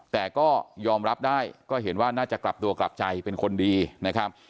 แต่ก็ยอมรับได้ก็เห็นว่าน่าจะกลับตัวกลับใจเป็นคนดีนะครับ